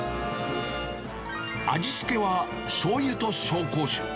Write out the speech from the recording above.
味付けはしょうゆと紹興酒。